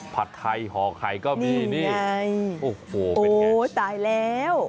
ผัดไทยห่อไข่ก็มีนี่ไงโอ้โหเป็นไงโอ้ตายแล้ว